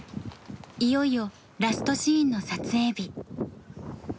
いよいよラストシーンの撮影日。